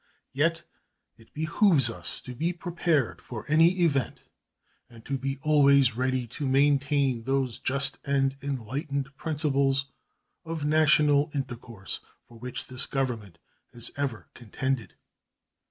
Yet it behooves us to be prepared for any event and to be always ready to maintain those just and enlightened principles of national intercourse for which this Government has ever contended.